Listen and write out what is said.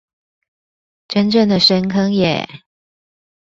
真正的深坑耶